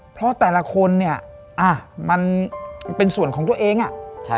เพราะแต่ละคนเนี่ยมันเป็นส่วนของตัวเองอ่ะใช่